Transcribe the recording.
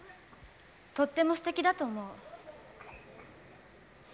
とってもすてきだと思う。